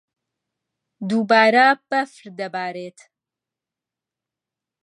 دووبارە بەفر دەبارێت.